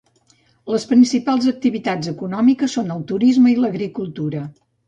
Les principals activitats econòmiques són el turisme i l'agricultura.